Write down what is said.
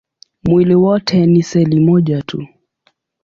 Mwili wote ni seli moja tu.